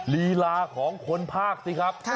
ลีลาของคนภาคสิครับ